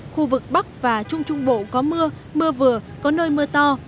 khu vực bắc và trung trung bộ có mưa mưa vừa có nơi mưa to